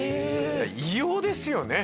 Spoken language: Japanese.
異様ですよね